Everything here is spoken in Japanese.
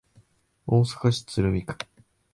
大阪市鶴見区